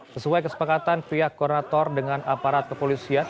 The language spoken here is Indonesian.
sesuai kesepakatan pria korator dengan aparat kepolisian